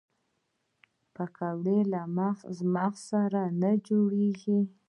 پکورې له مغز سره نه جوړېږي